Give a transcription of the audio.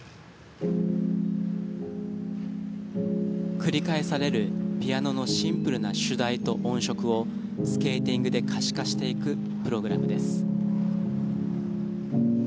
繰り返されるピアノのシンプルな主題と音色をスケーティングで可視化していくプログラムです。